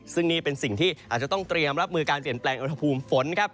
ซึ่งนี่เป็นสิ่งที่อาจจะต้องเตรียมรับมือการเปลี่ยนแปลงอุณหภูมิฝนครับ